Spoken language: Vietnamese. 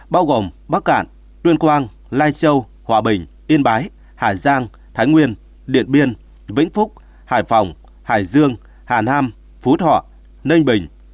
bao gồm bắc cạn tuyên quang lai châu hòa bình yên bái hà giang thái nguyên điện biên vĩnh phúc hải phòng hải dương hà nam phú thọ ninh bình